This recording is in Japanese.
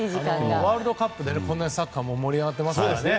ワールドカップで日本のサッカーも盛り上がっていますからね。